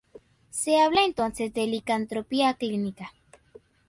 Se habla entonces de licantropía clínica.